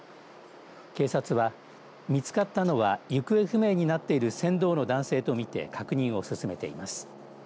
警察は、見つかったのは行方不明になっている船頭の男性と見て確認を進めています。